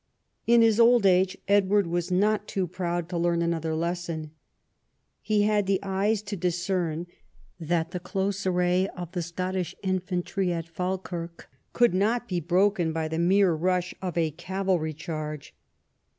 In his old age Edward Avas not too proud to learn another lesson. He had the eyes to discern that the close array of the Scottish infantry at Falkirk coiild not be broken by the mere rush of a cavalry charge.